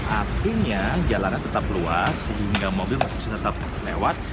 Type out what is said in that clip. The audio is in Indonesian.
artinya jalannya tetap luas sehingga mobil bisa tetap lewat